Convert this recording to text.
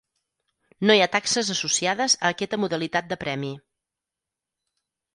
No hi ha taxes associades a aquesta modalitat de Premi.